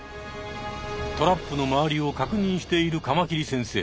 トラップの周りを確認しているカマキリ先生。